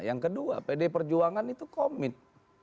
yang kedua pdi perjuangan itu komit